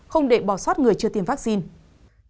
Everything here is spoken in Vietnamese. không để bỏ soát người chưa tiêm vaccine